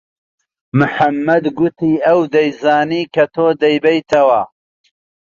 محەممەد گوتی ئەو دەیزانی کە تۆ دەیبەیتەوە.